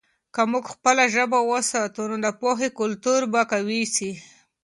که موږ خپله ژبه وساتو، نو د پوهې کلتور به قوي سي.